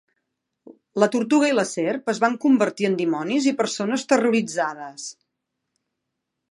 La tortuga i la serp es van convertir en dimonis i persones terroritzades.